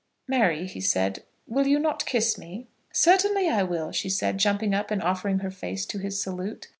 "Mary," he said, "will you not kiss me?" "Certainly I will," she said, jumping up, and offering her face to his salute.